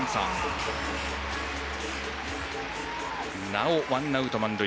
なおワンアウト、満塁。